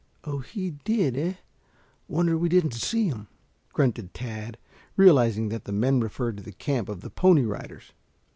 "Oh, he did, eh? Wonder we didn't see him," grunted Tad, realizing that the men referred to the camp of the Pony Riders.